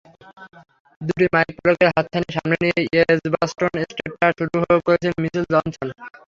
দু-দুটি মাইলফলকের হাতছানি সামনে নিয়ে এজবাস্টন টেস্টটা শুরু করেছিলেন মিচেল জনসন।